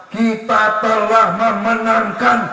kita telah memenangkan